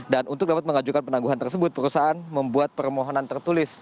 dan untuk dapat mengajukan penangguhan tersebut perusahaan membuat permohonan tertulis